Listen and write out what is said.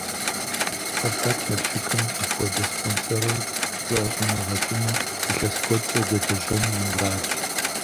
«Спартак-Налшыкым» апхуэдэ спонсорыр зыӀэщӀимыгъэкӀыну, илъэс куэдкӀэ дэлэжьэну и мурадщ.